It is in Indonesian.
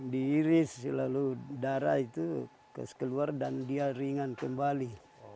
diiris selalu darah itu keluar dan dia ringan kembali